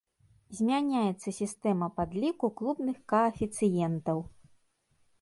Змяняецца сістэма падліку клубных каэфіцыентаў.